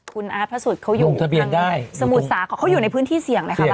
คุณอาร์ทพระสุทธิ์เขาอยู่ทางสมุทรสาขอลงทะเบียนได้เขาอยู่ในพื้นที่เสี่ยงเลยครับ